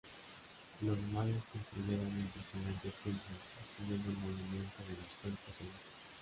Los mayas construyeron impresionantes templos siguiendo el movimiento de los cuerpos celestes.